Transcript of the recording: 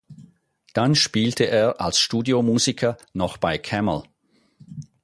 Dann spielte er als Studiomusiker noch bei Camel.